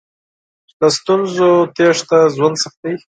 له ستونزو تېښته ژوند سختوي.